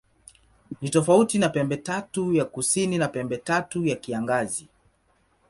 Ni tofauti na Pembetatu ya Kusini au Pembetatu ya Kiangazi.